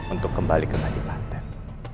untuk kembali ke tadi banten